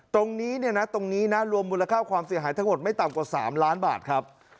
ตรงนี้เนี่ยนะตรงนี้นะรวมมูลค่าความเสียหายทั้งหมดไม่ต่ำกว่า๓ล้านบาทครับ